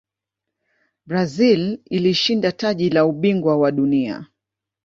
brazil ilishinda taji la ubingwa wa dunia